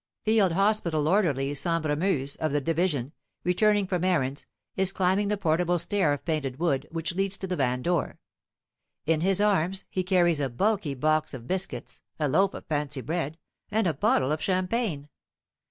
Field hospital orderly Sambremeuse, of the Division, returning from errands, is climbing the portable stair of painted wood which leads to the van door. In his arms he carries a bulky box of biscuits, a loaf of fancy bread, and a bottle of champagne.